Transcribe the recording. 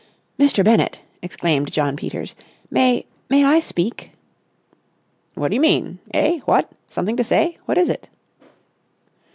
"Mr. Bennett," exclaimed Jno. Peters. "May—may I speak?" "What do you mean? Eh? What? Something to say? What is it?"